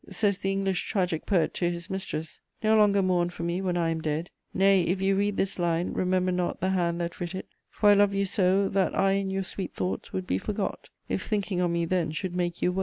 Says the English tragic poet to his mistress: No longer mourn for me when I am dead ...... Nay, if you read this line, remember not The hand that writ it; for I love you so, That I in your sweet thoughts would be forgot, If thinking on me then should make you woe.